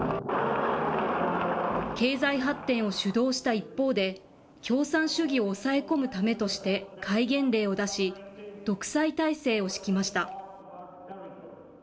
経済発展を主導した一方で、共産主義を抑え込むためとして戒厳令を出し、独裁体制を敷きました。